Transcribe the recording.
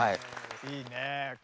いいね。